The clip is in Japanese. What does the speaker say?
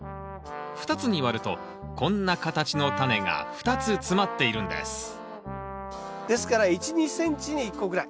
２つに割るとこんな形のタネが２つ詰まっているんですですから１２ｃｍに１個ぐらい。